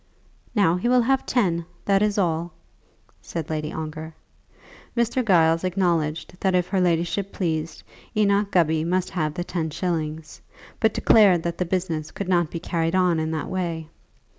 "Now he will have ten, that is all," said Lady Ongar. Mr. Giles acknowledged that if her ladyship pleased, Enoch Gubby must have the ten shillings, but declared that the business could not be carried on in that way.